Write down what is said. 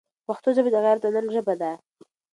پښتو ژبه د غیرت او ننګ ژبه ده.